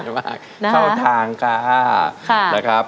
เพลงที่๖ของน้องข้าวหอมมาครับ